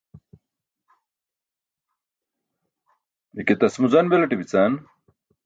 ike tasmuzaṅ belaṭe bican?